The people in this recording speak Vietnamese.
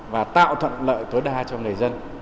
và tạo thuận lợi tối đa cho người